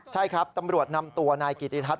ใช่ครับตำรวจนำตัวนายกิติทัศ